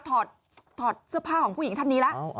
ถอดเสื้อผ้าของผู้หญิงท่านนี้แล้ว